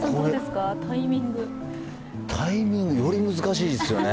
タイミングより難しいですよね。